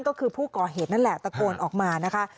ก็คือผู้ก่อเหตุนั่นแหละตะโกนออกมานะคะ